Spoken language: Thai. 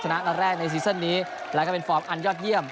นัดแรกในซีซั่นนี้แล้วก็เป็นฟอร์มอันยอดเยี่ยม